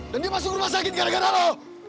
dan dia masuk rumah sakit gara gara lo